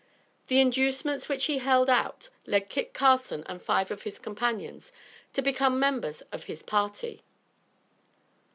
The inducements which he held out led Kit Carson and five of his companions to become members of his party.